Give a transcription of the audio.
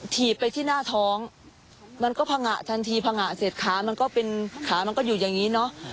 ถีบไปที่หน้าท้องมันก็พังงะทันทีพังงะเสร็จขามันก็เป็นขามันก็อยู่อย่างนี้เนอะ